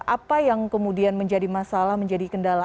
apa yang kemudian menjadi masalah menjadi kendala